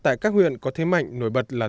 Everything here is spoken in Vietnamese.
tại các huyện có thế mạnh nổi bật là